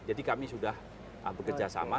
jadi kami sudah bekerja sama